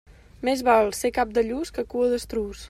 Més val ser cap de lluç que cua d'estruç.